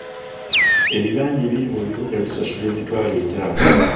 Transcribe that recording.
Ebibanja ebiri mu bibuga bisasula emitwalo etaano.